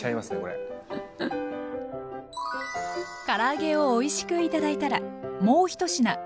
から揚げをおいしく頂いたらもう１品。